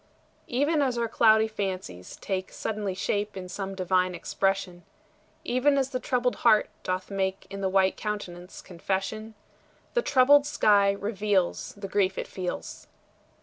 Even as our cloudy fancies take Suddenly shape in some divine expression, Even as the troubled heart doth make In the white countenance confession, The troubled sky reveals The grief it feels.